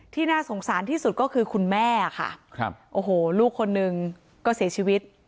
น่าสงสารที่สุดก็คือคุณแม่ค่ะครับโอ้โหลูกคนหนึ่งก็เสียชีวิต